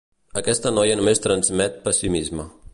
Aquesta noia només transmet pessimisme.